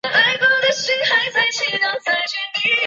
过去此地有国铁废线。